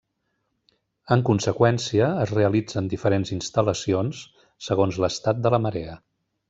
En conseqüència, es realitzen diferents instal·lacions segons l'estat de la marea.